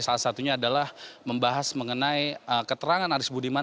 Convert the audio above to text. salah satunya adalah membahas mengenai keterangan aris budiman